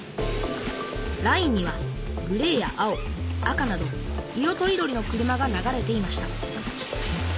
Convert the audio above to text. ラインにはグレーや青赤など色とりどりの車が流れていました。